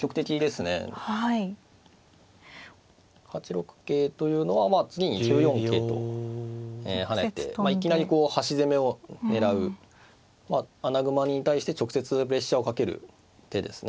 ８六桂というのはまあ次に９四桂と跳ねていきなり端攻めを狙う穴熊に対して直接プレッシャーをかける手ですね。